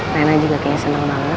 nenek juga kayaknya seneng banget